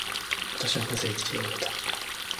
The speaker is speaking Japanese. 私はなぜ生きているのだろうか。